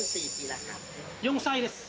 ４歳です